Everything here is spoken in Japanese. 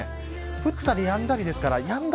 降ったりやんだりなのでやんだ